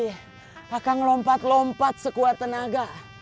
tadi akang lompat lompat sekuat tenaga